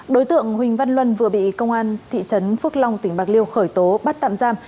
đối tượng huỳnh văn luân vừa bị công an thị trấn phước long tỉnh bạc liêu khởi tố bắt tạm giam